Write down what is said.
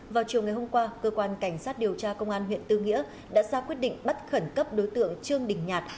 vào chiều ngày hôm qua cơ quan cảnh sát điều tra công an huyện tư nghĩa đã ra quyết định bắt khẩn cấp đối tượng trương đình nhạt